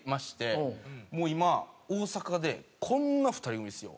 もう今大阪でこんな２人組っすよ？